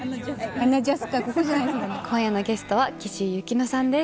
今夜のゲストは岸井ゆきのさんです。